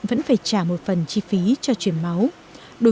và đạt tỷ lệ hai dân số